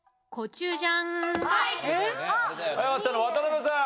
早かったのは渡辺さん。